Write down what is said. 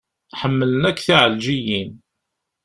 Ḥemmlen akk tiɛelǧiyin.